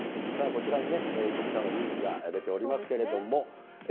さあこちらにね、いくつかのニュースが出ておりますけれども。